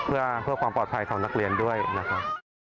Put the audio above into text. เพื่อความปลอดภัยของนักเรียนด้วยนะครับ